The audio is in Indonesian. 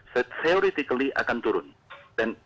seoretikaly akan turun dan